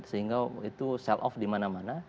sehingga itu sell off dimana mana